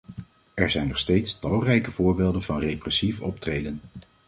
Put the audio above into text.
Er zijn nog steeds talrijke voorbeelden van repressief optreden.